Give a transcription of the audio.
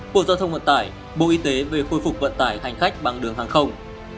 bộ giao thông vận tải bộ y tế về khôi phục vận tải hành khách bằng đường hàng không